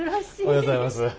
おはようございます。